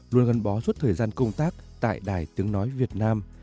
luôn gắn bó suốt thời gian công tác tại đài tiếng nói việt nam